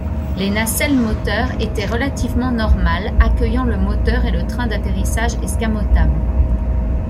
Les nacelles-moteurs étaient relativement normales, accueillant le moteur et le train d'atterrissage escamotable.